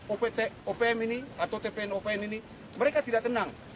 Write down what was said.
opm ini atau tpn opn ini mereka tidak tenang